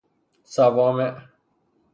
صوامع